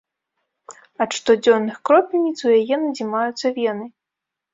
Ад штодзённых кропельніц у яе надзімаюцца вены.